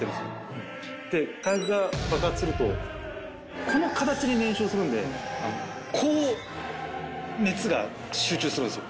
火薬が爆発するとこの形に燃焼するんでこう熱が集中するんですよ。